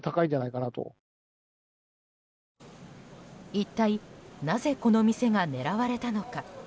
一体なぜこの店が狙われたのか。